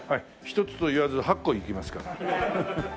一つといわず８個いきますから。